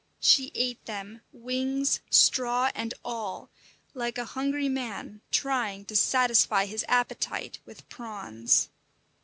She ate them, wings, straw and all, like a hungry man trying to satisfy his appetite with prawns.